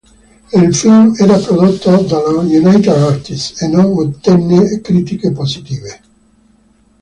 Il film era prodotto dalla United Artists e non ottenne critiche positive.